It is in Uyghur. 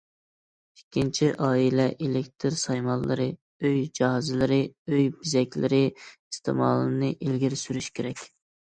ئىككىنچى، ئائىلە ئېلېكتىر سايمانلىرى، ئۆي جاھازلىرى، ئۆي بېزەكلىرى ئىستېمالىنى ئىلگىرى سۈرۈش كېرەك.